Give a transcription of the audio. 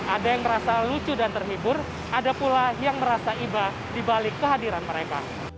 ada yang merasa lucu dan terhibur ada pula yang merasa iba dibalik kehadiran mereka